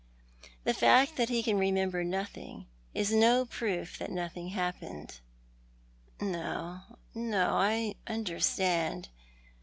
The fact that he can remember nothing is no i^roof that nothing has happened." " Ko, no, I understand.